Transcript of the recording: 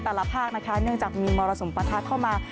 แต่ละภาคนะคะเนื่องจากมีมรสมประทักษ์เข้ามา